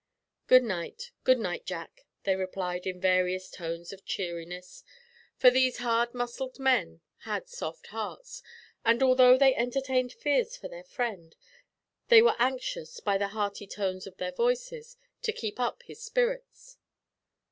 "Good night good night, Jack," they replied in various tones of cheeriness; for these hard muscled men had soft hearts, and although they entertained fears for their friend, they were anxious, by the hearty tones of their voices, to keep up his spirits.